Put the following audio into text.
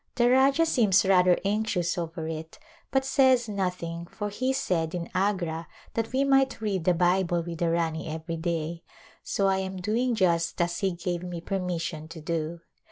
The Rajah seems rather anxious over it but says nothing for he said in Agra that we might read the Bible with the Rani every day so I am doing just as he gave me permission to do.